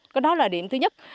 cái đó là điểm thứ nhất